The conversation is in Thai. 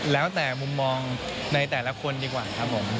แล้วแต่มุมมองในแต่ละคนดีกว่าครับผม